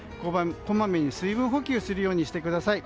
こまめに水分補給するようにしてください。